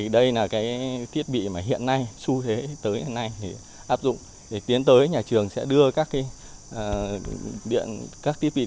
đây là cái thiết bị mà hiện nay xu thế tới hiện nay